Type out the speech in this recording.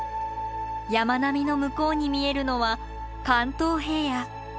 山並みの向こうに見えるのは関東平野。